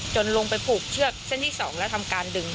ลงไปผูกเชือกเส้นที่๒แล้วทำการดึง